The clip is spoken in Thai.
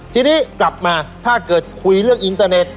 ทีนี้กลับมาถ้าเกิดคุยเรื่องอินเตอร์เน็ต